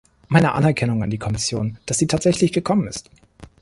Meine Anerkennung an die Kommission, dass sie tatsächlich gekommen ist.